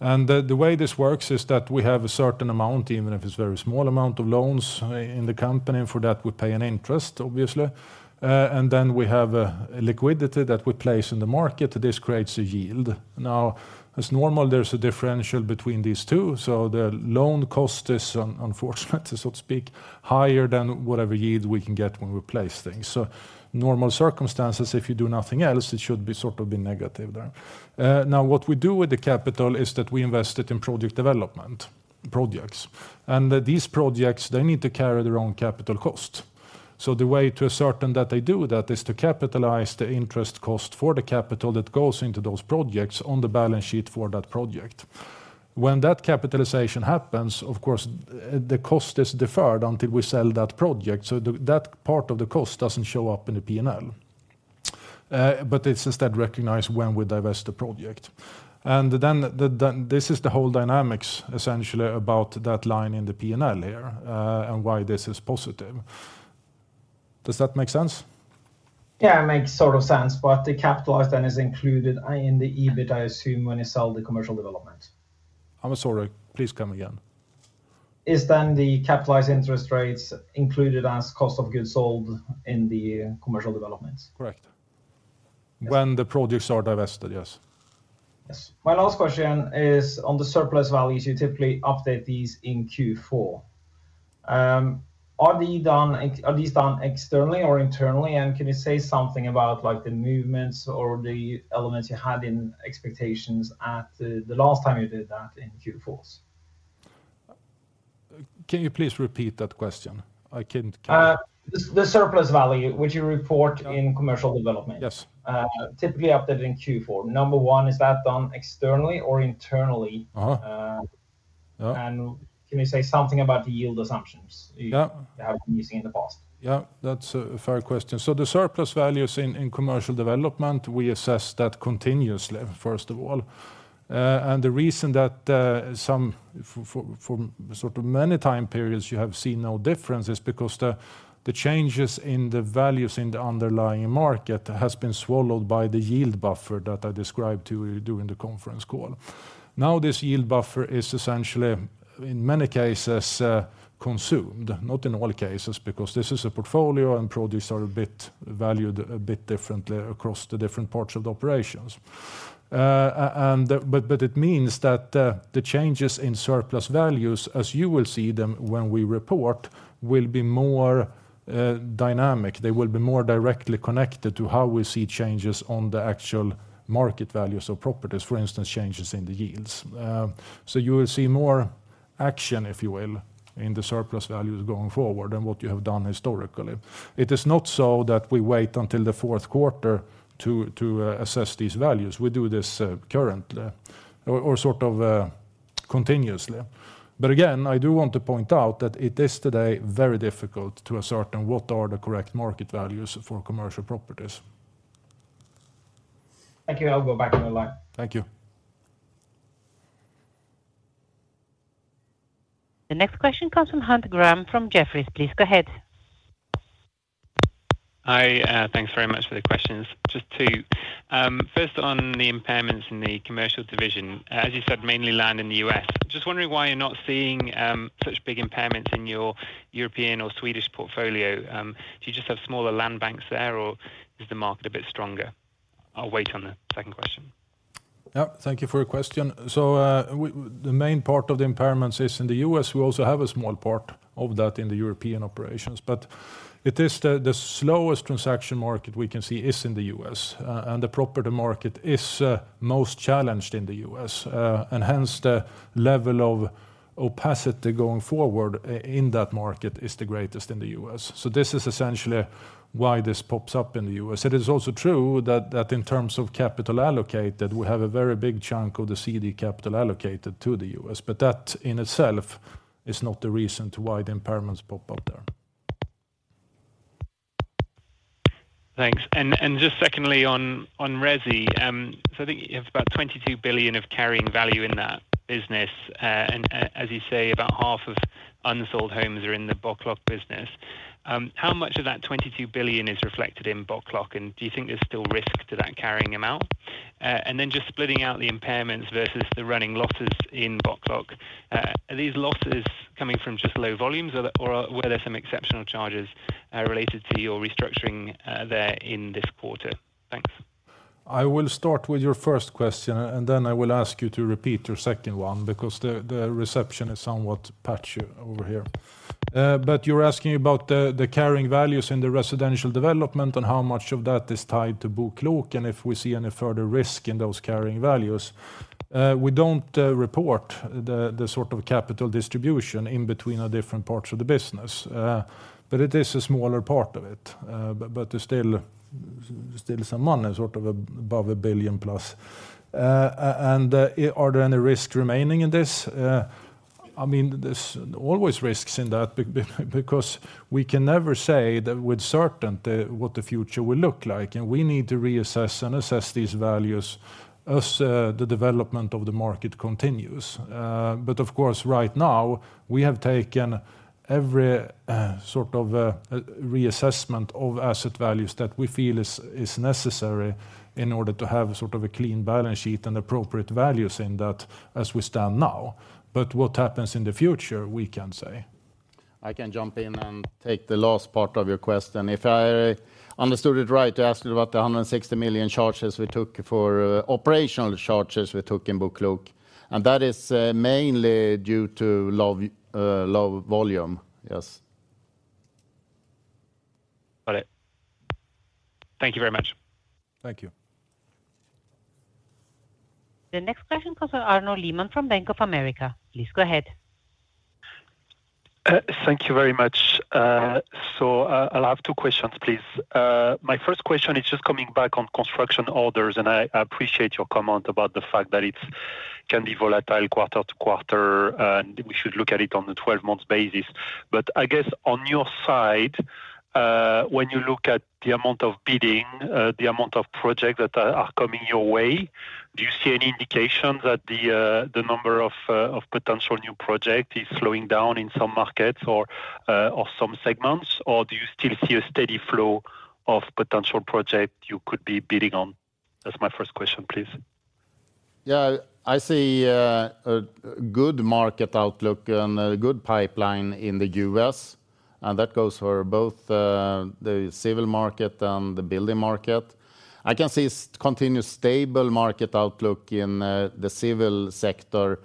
And the way this works is that we have a certain amount, even if it's very small amount of loans in the company, and for that, we pay an interest, obviously. And then we have a liquidity that we place in the market. This creates a yield. Now, as normal, there's a differential between these two, so the loan cost is unfortunate, so to speak, higher than whatever yield we can get when we place things. So normal circumstances, if you do nothing else, it should sort of be negative there. Now, what we do with the capital is that we invest it in project development projects. These projects, they need to carry their own capital cost. The way to ascertain that they do that is to capitalize the interest cost for the capital that goes into those projects on the balance sheet for that project. When that capitalization happens, of course, the cost is deferred until we sell that project, so that part of the cost doesn't show up in the P&L. But it's instead recognized when we divest the project. And then, this is the whole dynamics, essentially, about that line in the P&L here, and why this is positive. Does that make sense? Yeah, it makes sort of sense, but the capitalized then is included in the EBIT, I assume, when you sell the commercial development. I'm sorry. Please come again. Is, then, the capitalized interest rates included as cost of goods sold in the commercial developments? Correct. When the projects are divested, yes. Yes. My last question is on the Surplus Values, you typically update these in Q4. Are these done externally or internally? And can you say something about, like, the movements or the elements you had in expectations at the last time you did that in Q4s? Can you please repeat that question? I couldn't catch- The surplus value, which you report in commercial development. Yes. Typically updated in Q4. Number one, is that done externally or internally? Uh-huh. Uh- Can you say something about the yield assumptions? Yeah... you have been using in the past? Yeah, that's a fair question. So the surplus values in commercial development, we assess that continuously, first of all. And the reason that some for sort of many time periods you have seen no difference is because the changes in the values in the underlying market has been swallowed by the yield buffer that I described to you during the conference call. Now, this yield buffer is essentially, in many cases, consumed, not in all cases, because this is a portfolio, and products are a bit valued a bit differently across the different parts of the operations. And but, but it means that the changes in surplus values, as you will see them when we report, will be more dynamic. They will be more directly connected to how we see changes on the actual market values of properties, for instance, changes in the yields. So you will see more action, if you will, in the surplus values going forward than what you have done historically. It is not so that we wait until the fourth quarter to assess these values. We do this currently or sort of continuously. But again, I do want to point out that it is today very difficult to ascertain what are the correct market values for commercial properties. Thank you. I'll go back on the line. Thank you. The next question comes from Hunt Graham, from Jefferies. Please go ahead. Hi, thanks very much for the questions. Just two. First, on the impairments in the commercial division, as you said, mainly land in the U.S. Just wondering why you're not seeing such big impairments in your European or Swedish portfolio. Do you just have smaller land banks there, or is the market a bit stronger? I'll wait on the second question. Yeah, thank you for your question. So, the main part of the impairments is in the U.S., we also have a small part of that in the European operations. But it is the slowest transaction market we can see is in the U.S., and the property market is most challenged in the U.S., and hence, the level of opacity going forward in that market is the greatest in the U.S. So this is essentially why this pops up in the US. It is also true that in terms of capital allocated, we have a very big chunk of the CD capital allocated to the U.S. But that in itself is not the reason why the impairments pop up there. Thanks. And just secondly, on resi, so I think you have about 22 billion of carrying value in that business. And as you say, about half of unsold homes are in the BoKlok business. How much of that 22 billion is reflected in BoKlok? And do you think there's still risk to that carrying amount? And then just splitting out the impairments versus the running losses in BoKlok, are these losses coming from just low volumes or were there some exceptional charges related to your restructuring there in this quarter? Thanks. I will start with your first question, and then I will ask you to repeat your second one, because the reception is somewhat patchy over here. But you're asking about the carrying values in the residential development and how much of that is tied to BoKlok, and if we see any further risk in those carrying values. We don't report the sort of capital distribution in between our different parts of the business, but it is a smaller part of it. But there's still some money, sort of above 1 billion +. And are there any risk remaining in this? I mean, there's always risks in that, because we can never say that with certainty what the future will look like, and we need to reassess and assess these values as the development of the market continues. But of course, right now, we have taken every sort of reassessment of asset values that we feel is necessary in order to have sort of a clean balance sheet and appropriate values in that as we stand now. But what happens in the future, we can't say. I can jump in and take the last part of your question. If I understood it right, you asked about the 160 million charges we took for operational charges we took in BoKlok, and that is mainly due to low volume. Yes. Got it. Thank you very much. Thank you. The next question comes from Arnaud Lehmann from Bank of America. Please go ahead. Thank you very much. So, I'll have two questions, please. My first question is just coming back on construction orders, and I appreciate your comment about the fact that it's can be volatile quarter to quarter, and we should look at it on the 12 months basis. But I guess on your side, when you look at the amount of bidding, the amount of projects that are coming your way, do you see any indication that the number of potential new project is slowing down in some markets or some segments? Or do you still see a steady flow of potential project you could be bidding on? That's my first question, please. Yeah, I see a good market outlook and a good pipeline in the U.S., and that goes for both the civil market and the building market. I can see continuous stable market outlook in the civil sector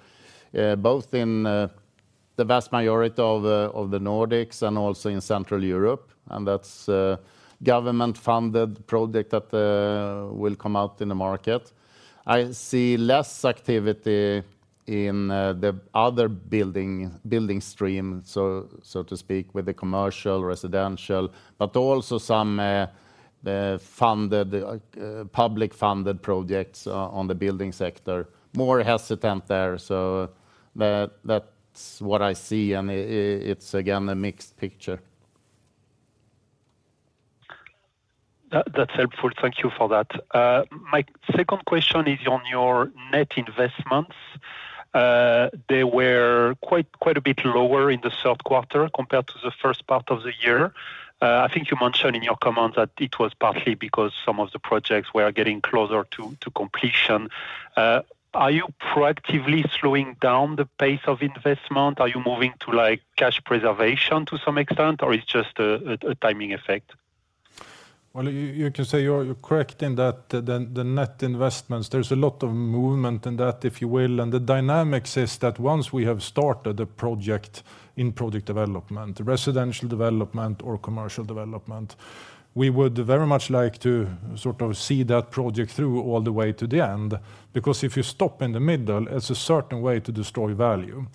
both in the vast majority of the Nordics and also in Central Europe, and that's government-funded projects that will come out in the market. I see less activity in the other building stream, so to speak, with the commercial, residential, but also some public funded projects on the building sector. More hesitant there, so that's what I see, and it's, again, a mixed picture. That's helpful. Thank you for that. My second question is on your net investments. They were quite, quite a bit lower in the third quarter compared to the first part of the year. I think you mentioned in your comment that it was partly because some of the projects were getting closer to completion. Are you proactively slowing down the pace of investment? Are you moving to, like, cash preservation to some extent, or it's just a timing effect? Well, you can say you're correct in that the net investments, there's a lot of movement in that, if you will, and the dynamics is that once we have started a project in project development, residential development or commercial development, we would very much like to sort of see that project through all the way to the end. Because if you stop in the middle, it's a certain way to destroy value.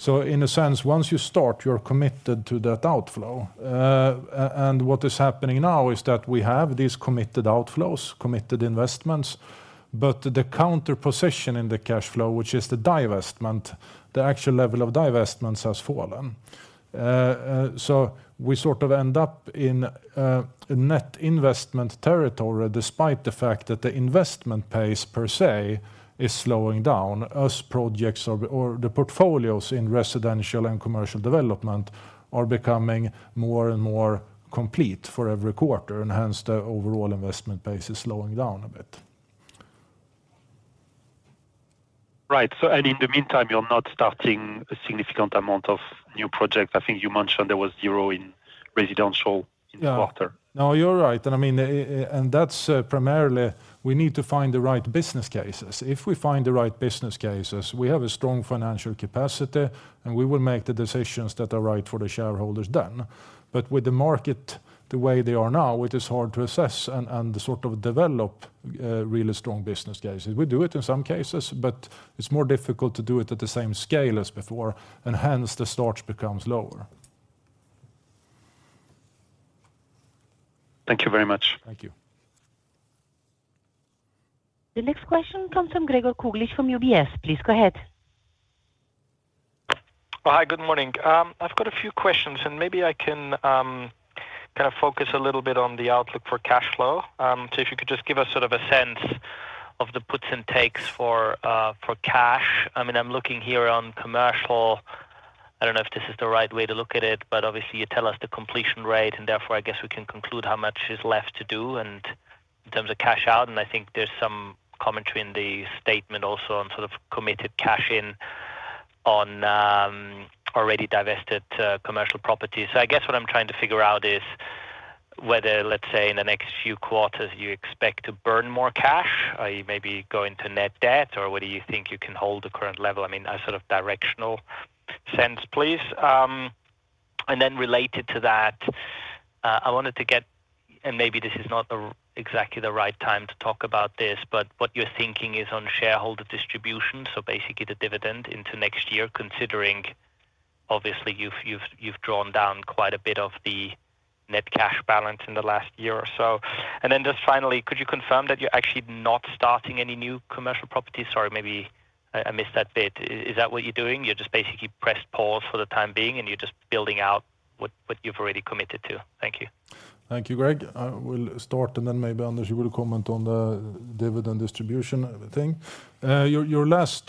So in a sense, once you start, you're committed to that outflow. And what is happening now is that we have these committed outflows, committed investments, but the counter position in the cash flow, which is the divestment, the actual level of divestments has fallen. So we sort of end up in a net investment territory, despite the fact that the investment pace per se is slowing down as projects or the portfolios in residential and commercial development are becoming more and more complete for every quarter, and hence, the overall investment pace is slowing down a bit. Right. In the meantime, you're not starting a significant amount of new projects. I think you mentioned there was zero in residential in the quarter. No, you're right. And I mean, and that's primarily we need to find the right business cases. If we find the right business cases, we have a strong financial capacity, and we will make the decisions that are right for the shareholders then. But with the market the way they are now, it is hard to assess and sort of develop really strong business cases. We do it in some cases, but it's more difficult to do it at the same scale as before, and hence, the start becomes lower. Thank you very much. Thank you. The next question comes from Gregor Kuglitsch from UBS. Please go ahead. Hi, good morning. I've got a few questions, and maybe I can kind of focus a little bit on the outlook for cash flow. So if you could just give us sort of a sense of the puts and takes for cash. I mean, I'm looking here on commercial. I don't know if this is the right way to look at it, but obviously, you tell us the completion rate, and therefore, I guess we can conclude how much is left to do and in terms of cash out, and I think there's some commentary in the statement also on sort of committed cash in on already divested commercial properties. So I guess what I'm trying to figure out is whether, let's say, in the next few quarters, you expect to burn more cash, or you may be going to net debt, or whether you think you can hold the current level. I mean, a sort of directional sense, please. And then related to that, I wanted to get, and maybe this is not exactly the right time to talk about this, but what your thinking is on shareholder distribution, so basically the dividend into next year, considering obviously you've drawn down quite a bit of the net cash balance in the last year or so. And then just finally, could you confirm that you're actually not starting any new commercial properties? Sorry, maybe I missed that bit. Is that what you're doing? You're just basically pressed pause for the time being, and you're just building out what you've already committed to? Thank you. Thank you, Greg. I will start, and then maybe, Anders, you will comment on the dividend distribution thing. Your last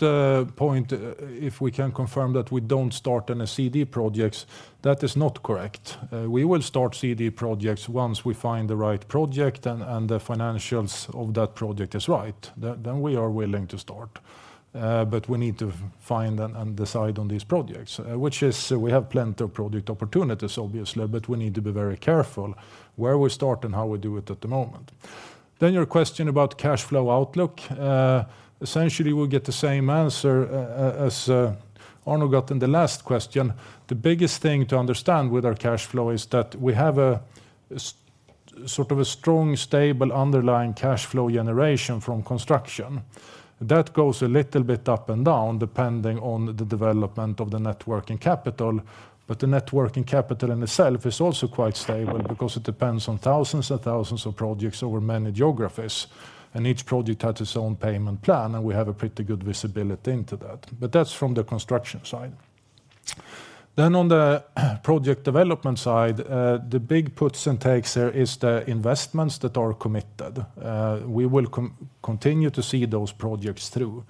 point, if we can confirm that we don't start any CD projects, that is not correct. We will start CD projects once we find the right project and the financials of that project is right, then we are willing to start. But we need to find and decide on these projects, which is we have plenty of project opportunities, obviously, but we need to be very careful where we start and how we do it at the moment. Then your question about cash flow outlook. Essentially, we'll get the same answer as Arnaud got in the last question. The biggest thing to understand with our cash flow is that we have a sort of a strong, stable, underlying cash flow generation from construction. That goes a little bit up and down, depending on the development of the net working capital, but the net working capital in itself is also quite stable because it depends on thousands and thousands of projects over many geographies, and each project has its own payment plan, and we have a pretty good visibility into that. But that's from the construction side. Then on the project development side, the big puts and takes there is the investments that are committed. We will continue to see those projects through.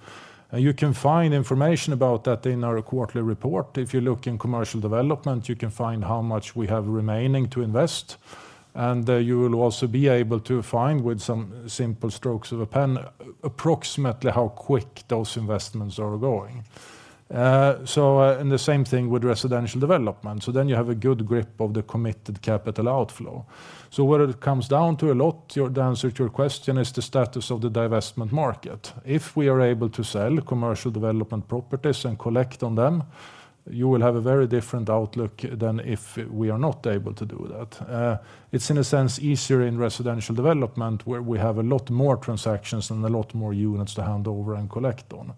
You can find information about that in our quarterly report. If you look in commercial development, you can find how much we have remaining to invest, and you will also be able to find, with some simple strokes of a pen, approximately how quick those investments are going. And the same thing with residential development, so then you have a good grip of the committed capital outflow. So what it comes down to a lot, to answer to your question, is the status of the divestment market. If we are able to sell commercial development properties and collect on them, you will have a very different outlook than if we are not able to do that. It's in a sense easier in residential development, where we have a lot more transactions and a lot more units to hand over and collect on.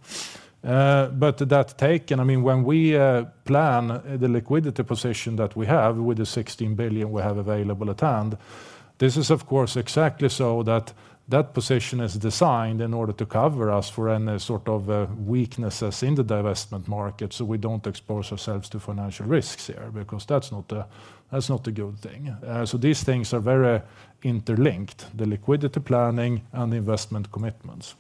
But that taken, I mean, when we plan the liquidity position that we have with the 16 billion we have available at hand, this is of course exactly so that that position is designed in order to cover us for any sort of weaknesses in the divestment market, so we don't expose ourselves to financial risks here, because that's not a, that's not a good thing. So these things are very interlinked, the liquidity planning and investment commitments.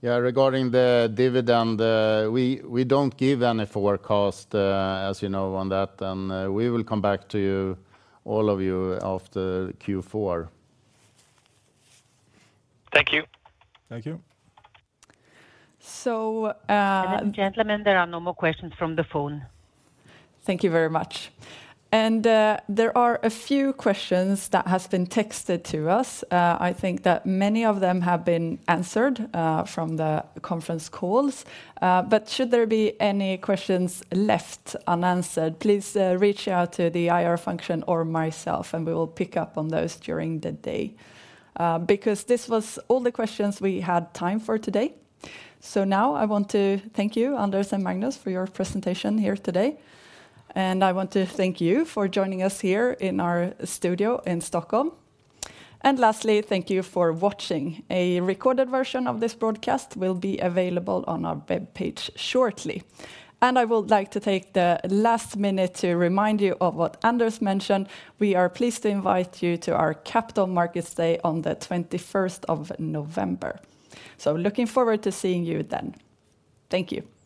Yeah, regarding the dividend, we don't give any forecast, as you know, on that, and we will come back to you, all of you, after Q4. Thank you. Thank you. So, uh- Ladies and gentlemen, there are no more questions from the phone. Thank you very much. There are a few questions that has been texted to us. I think that many of them have been answered from the conference calls. But should there be any questions left unanswered, please reach out to the IR function or myself, and we will pick up on those during the day. Because this was all the questions we had time for today, so now I want to thank you, Anders and Magnus, for your presentation here today. I want to thank you for joining us here in our studio in Stockholm. Lastly, thank you for watching. A recorded version of this broadcast will be available on our web page shortly. I would like to take the last minute to remind you of what Anders mentioned. We are pleased to invite you to our Capital Markets Day on the 21st of November. So looking forward to seeing you then. Thank you.